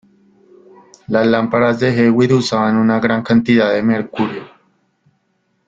Las lámparas de Hewitt usaban una gran cantidad de mercurio.